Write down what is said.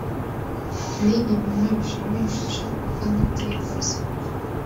ni ibintu bishimishije kuko ntibyikoze